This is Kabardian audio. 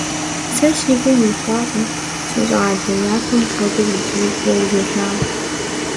Сэ си гум уихуакъым, си щӀалэ, япэм хуэдэу, иджыри фӀыуэ узолъагъу.